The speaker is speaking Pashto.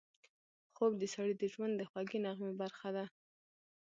خوب د سړي د ژوند د خوږې نغمې برخه ده